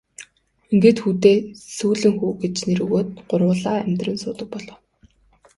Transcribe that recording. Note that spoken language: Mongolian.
Ингээд хүүдээ Сүүлэн хүү гэж нэр өгөөд гурвуулаа амьдран суудаг болов.